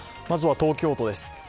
まずは東京都です。